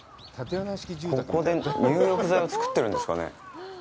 ここで入浴剤を作ってるんですかね。